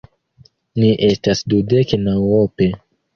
Ni estas dudek naŭope.